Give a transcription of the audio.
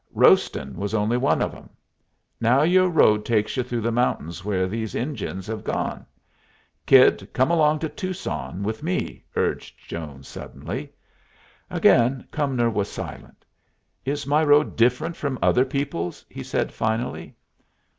Roastin' was only one of 'em. Now your road takes you through the mountains where these Injuns hev gone. Kid, come along to Tucson with me," urged Jones, suddenly. Again Cumnor was silent. "Is my road different from other people's?" he said, finally.